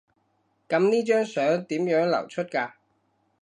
噉呢張相點樣流出㗎？